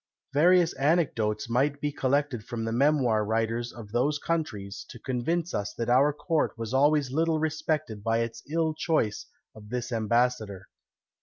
Various anecdotes might be collected from the memoir writers of those countries, to convince us that our court was always little respected by its ill choice of this ambassador.